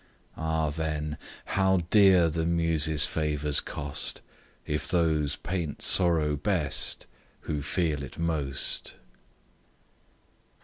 Ah! then, how dear the Muse's favours cost, If those paint sorrow best who feel it most!